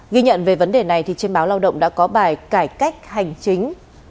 ghi nhận về vấn đề này trên báo lao động đã có bài cải cách hành chính